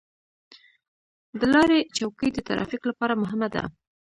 د لارې چوکۍ د ترافیک لپاره مهمه ده.